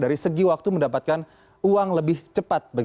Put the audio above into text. dari segi waktu mendapatkan uang lebih cepat